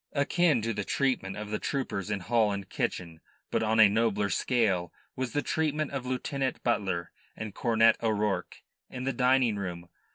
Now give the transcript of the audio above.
Akin to the treatment of the troopers in hall and kitchen, but on a nobler scale, was the treatment of Lieutenant Butler and Cornet O'Rourke in the dining room.